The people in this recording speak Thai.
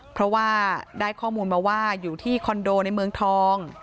เพราะว่าได้ข้อมูลมาว่าอยู่ที่คอนโดในเมืองทอง